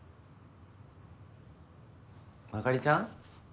あかりちゃん？